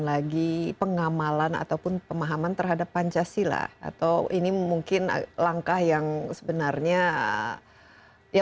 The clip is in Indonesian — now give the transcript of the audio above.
lagi pengamalan ataupun pemahaman terhadap pancasila atau ini mungkin langkah yang sebenarnya ya